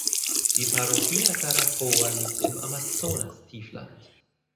Die Parroquia Taracoa liegt im Amazonastiefland.